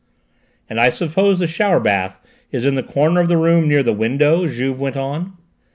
"And I suppose the shower bath is in the corner of the room near the window?" Juve went on.